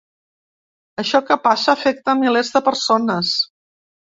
Això que passa afecta a milers de persones.